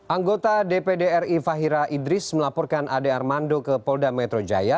anggota dpd ri fahira idris melaporkan ade armando ke polda metro jaya